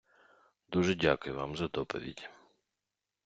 дуже дякую вам за доповідь!